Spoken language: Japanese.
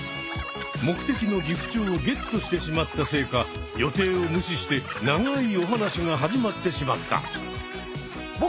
目的のギフチョウをゲットしてしまったせいか予定を無視して長いお話が始まってしまった。